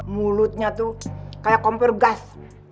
mulutnya tuh kayak kompor gas